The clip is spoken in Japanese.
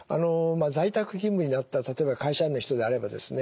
在宅勤務になった例えば会社員の人であればですね